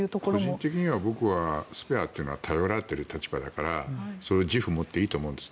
個人的に僕はスペアというのは頼られる立場だから自負を持っていいと思うんです。